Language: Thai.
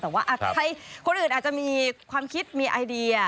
แต่ว่าคนอื่นอาจจะมีความคิดมีไอเดีย